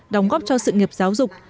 đóng góp cho sự nghiệp giáo dục